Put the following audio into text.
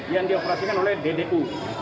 yang dioperasikan oleh ddu